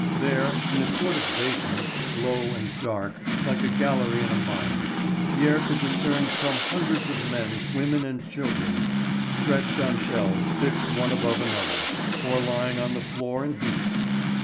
There, in a sort of basement, low and dark, like a gallery in a mine, Pierre could discern some hundreds of men, women, and children, stretched on shelves fixed one above another, or lying on the floor in heaps.